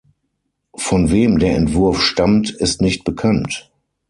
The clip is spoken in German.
Von wem der Entwurf stammt ist nicht bekannt.